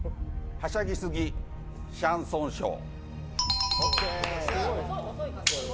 はしゃぎすぎシャンソンショー。